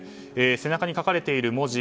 背中に書かれている文字。